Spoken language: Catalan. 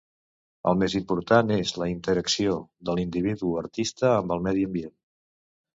El més important és la interacció de l'individu artista amb el medi ambient.